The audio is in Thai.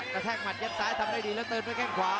กระดาษยัดซายเริ่มเข้าไวก่างขวา